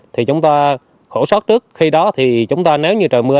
thì chúng ta khổ sót trước khi đó thì chúng ta nếu như trời mưa